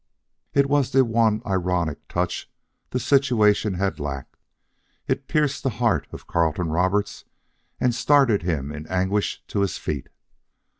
It was the one ironic touch the situation had lacked. It pierced the heart of Carleton Roberts and started him in anguish to his feet.